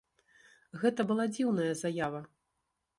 Гэта была дзіўная заява.